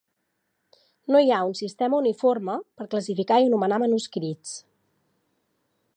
No hi ha un sistema uniforme per classificar i anomenar manuscrits.